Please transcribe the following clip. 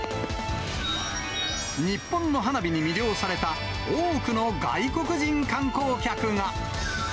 日本の花火に魅了された多くの外国人観光客が。